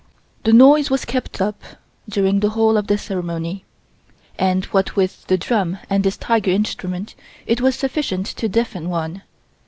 This noise was kept up during the whole of the ceremony, and what with the drum and this tiger instrument it was sufficient to deafen one.